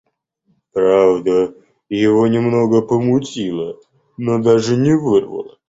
Правда, его немного помутило, но даже не вырвало.